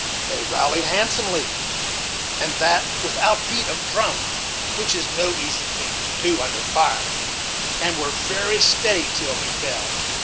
They rallied handsomely, and that without beat of drum, which is no easy thing to do under fire, and were very steady till he fell.